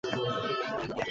আর তা ছিল যেন এক চাঁদোয়া।